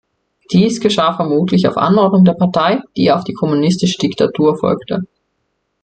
Dies geschah vermutlich auf Anordnung der Partei, die auf die kommunistische Diktatur folgte.